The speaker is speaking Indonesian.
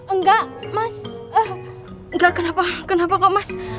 enggak mas enggak kenapa kok mas